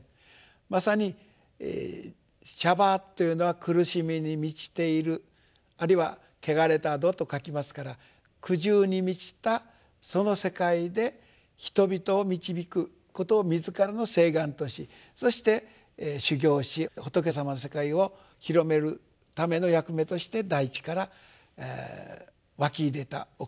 まさに娑婆というのは苦しみに満ちているあるいは穢れた土と書きますから苦渋に満ちたその世界で人々を導くことを自らの誓願としそして修行し仏様の世界を広めるための役目として大地から涌き出たお方だと。